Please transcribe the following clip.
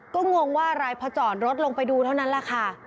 ก็งงว่าอะไรพอจอดรถลงไปดูเท่านั้นแหละค่ะ